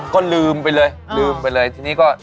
ก็ลืมไปเลยลืมไปเลยทีนี้ก็